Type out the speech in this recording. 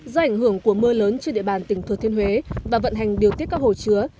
do ảnh hưởng của mưa lớn trên địa bàn tỉnh thừa thiên huế và vận hành điều tiết các hồ chứa